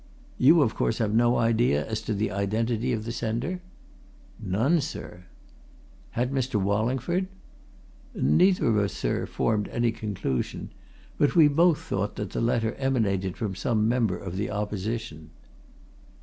"You, of course, have no idea as to the identity of the sender?" "None, sir!" "Had Mr. Wallingford?" "Neither of us, sir, formed any conclusion. But we both thought that the letter emanated from some member of the opposition."